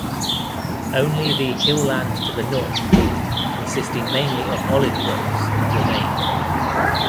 Only the hill land to the north, consisting mainly of olive groves, remained.